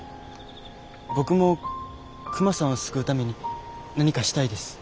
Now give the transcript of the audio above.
僕もクマさんを救うために何かしたいです。